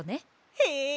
へえ！